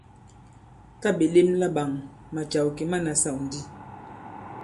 Tǎ ɓè lem laɓāŋ, màcàw kì ma nasâw ndi.